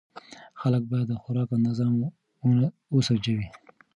خلک باید د خوراک اندازه وسنجوي.